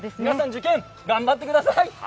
皆さん、受験頑張ってください！